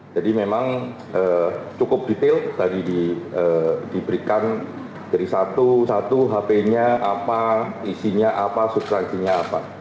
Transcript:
jadi memang cukup detail tadi diberikan dari satu satu hp nya apa isinya apa substansinya apa